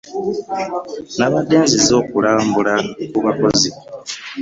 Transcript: Nabadde nzize kulambula ku bakozi.